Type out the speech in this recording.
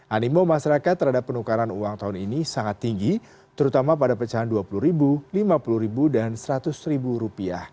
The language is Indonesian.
animo masyarakat terhadap penukaran uang tahun ini sangat tinggi terutama pada pecahan rp dua puluh rp lima puluh dan rp seratus